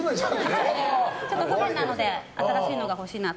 ちょっと不便なので新しいのが欲しいなと。